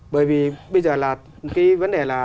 bởi vì bây giờ là cái vấn đề là